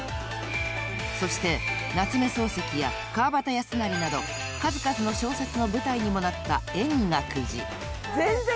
［そして夏目漱石や川端康成など数々の小説の舞台にもなった］